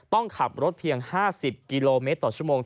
ต้องขับรถเพียง๕๐กิโลเมตรต่อชั่วโมง